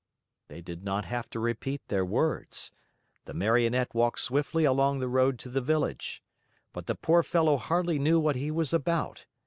They did not have to repeat their words. The Marionette walked swiftly along the road to the village. But the poor fellow hardly knew what he was about.